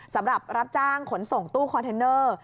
สำหรับรับจ้างขนส่งตู้คอนเทนเนอร์